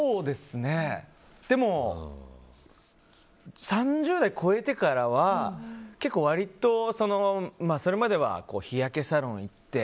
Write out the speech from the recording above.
でも、３０代を超えてからは結構割とそれまでは日焼けサロン行って